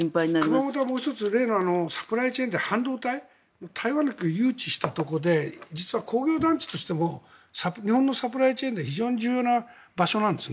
熊本はもう１つ例のサプライチェーンで半導体の、台湾なんか誘致したところで工業団地なんかも日本のサプライチェーンで重要な場所なんです。